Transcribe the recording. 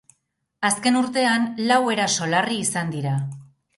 Azken urtean, lau eraso larri izan dira.